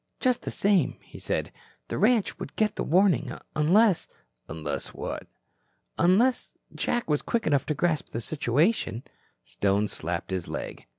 "Just the same," he said, "the ranch would get the warning, unless " "Unless what?" "Unless Jack was quick enough to grasp the situation." Stone slapped his leg.